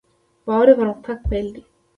باور د پرمختګ پیل دی.